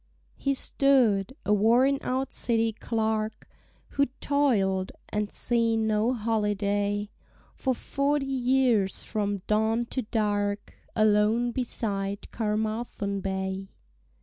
HE stood, a worn out City clerk— Who'd toil'd, and seen no holiday, For forty years from dawn to dark— Alone beside Caermarthen Bay.